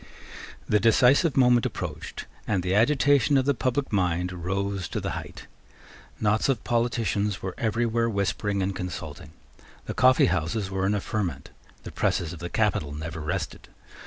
The decisive moment approached; and the agitation of the public mind rose to the height. Knots of politicians were everywhere whispering and consulting. The coffeehouses were in a ferment. The presses of the capital never rested.